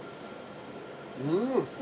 うん。